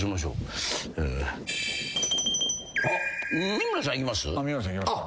三村さんいきます？